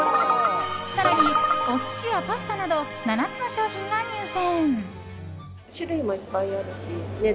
更に、お寿司やパスタなど７つの商品が入選。